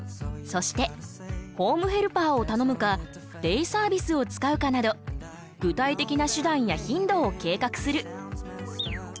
そしてホームヘルパーをたのむかデイサービスを使うかなど具体的な手段や頻度を計画する。